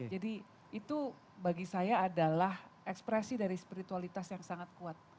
jadi itu bagi saya adalah ekspresi dari spiritualitas yang sangat kuat